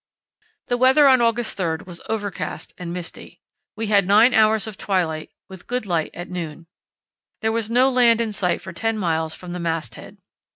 The weather on August 3 was overcast and misty. We had nine hours of twilight, with good light at noon. There was no land in sight for ten miles from the mast head.